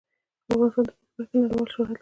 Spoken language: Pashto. افغانستان د ځمکه په برخه کې نړیوال شهرت لري.